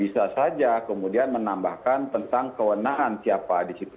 bisa saja kemudian menambahkan tentang kewenangan siapa di situ